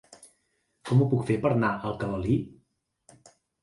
Com ho puc fer per anar a Alcalalí?